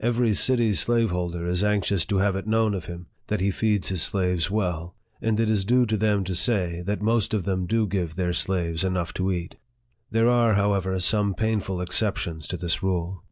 Every city slaveholder is anxious to have it known of him, that he feeds his slaves well ; and it is due to them to say, that most of them do give their slaves enough to eat. There are, however, some painful exceptions to this rule.